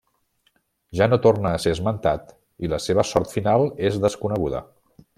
Ja no torna a ser esmentat i la seva sort final és desconeguda.